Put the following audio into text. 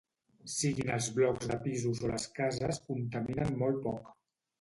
Siguin els blocs de pisos o les cases, contaminen molt poc.